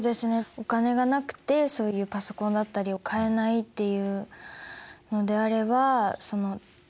お金がなくてそういうパソコンだったりを買えないっていうのであれば図書館。